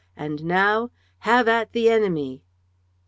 And now have at the enemy!"